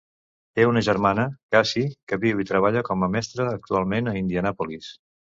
Té una germana, Casie, que viu i treballa com a mestra actualment a Indianapolis.